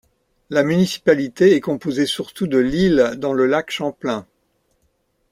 La municipalité est composée surtout de l'île dans le lac Champlain.